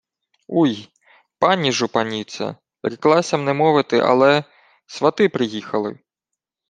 — Уй, пані жупаніце... Вреклася-м не мовити, але... Свати приїхали.